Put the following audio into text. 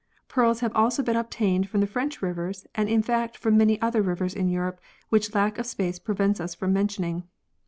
Pearls have also been obtained from the French rivers and in fact from many others in Europe which lack of space prevents us from mentioning.